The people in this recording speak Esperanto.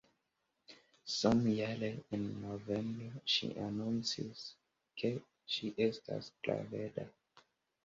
Samjare, en novembro ŝi anoncis, ke ŝi estas graveda.